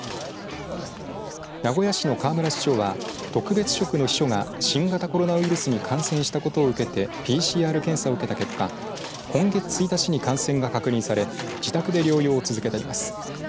名古屋市の河村市長は特別職の秘書が新型コロナウイルスに感染したことを受けてＰＣＲ検査を受けた結果今月１日に感染が確認され自宅で療養を続けています。